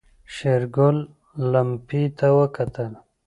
شېرګل لمپې ته وکتل.